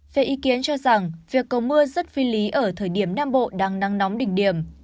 về ý kiến cho rằng việc cầu mưa rất phi lý ở thời điểm nam bộ đang nắng nóng đỉnh điểm